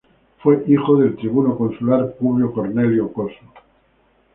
Fue hijo del tribuno consular Publio Cornelio Coso.